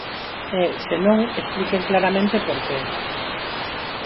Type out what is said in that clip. E, se non, expliquen claramente por que.